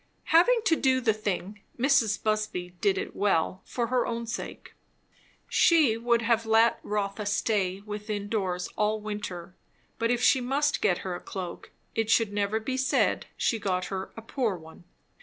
Having to do the thing, Mrs. Busby did it well, for her own sake. She would have let Rotha stay within doors all winter; but if she must get her a cloak, it should never be said she got her a poor one.